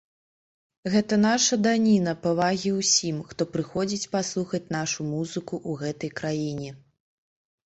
Гэта наша даніна павагі ўсім, хто прыходзіць паслухаць нашу музыку ў гэтай краіне.